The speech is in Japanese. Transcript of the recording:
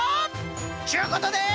ちゅうことで。